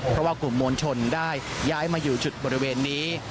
เพราะว่ากลุ่มมวลชนได้ย้ายมาอยู่จุดบริเวณนี้